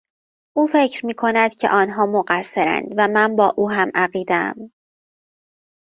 او فکر میکند که آنها مقصرند و من با او همعقیدهام.